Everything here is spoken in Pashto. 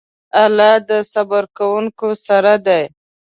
الله د صبر کوونکو سره دی.